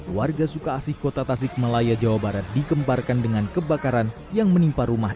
warga suka asih kota tasik malaya jawa barat dikemparkan dengan kebakaran yang menimpa rumah